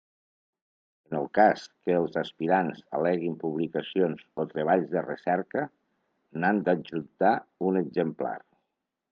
En el cas que els aspirants al·leguin publicacions o treballs de recerca, n'han d'adjuntar un exemplar.